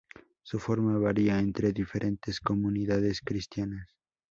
Su forma varía entre diferentes comunidades cristianas.